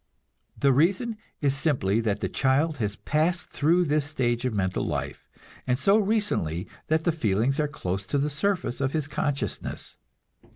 The reason is simply that the child has passed through this stage of mental life, and so recently that the feelings are close to the surface of his consciousness.